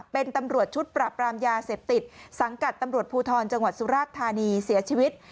เป็นตำรวจชุดปรับรามยาเสพติดสังกัดตำรวจภูทรจังหวัดสุราชธานีเสียชีวิต